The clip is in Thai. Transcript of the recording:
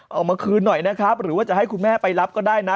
เอามาคืนหน่อยนะครับหรือว่าจะให้คุณแม่ไปรับก็ได้นะ